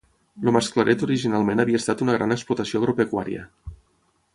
El Mas Claret originalment havia estat una gran explotació agropecuària.